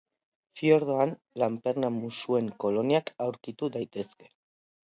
Fiordoan Lanperna-musuen koloniak aurkitu daitezke.